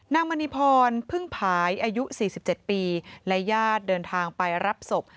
มณีพรพึ่งผายอายุ๔๗ปีและญาติเดินทางไปรับศพ